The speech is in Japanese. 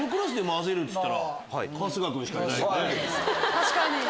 確かに。